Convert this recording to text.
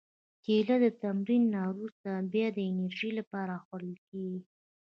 کېله د تمرین نه وروسته د بیا انرژي لپاره خوړل کېږي.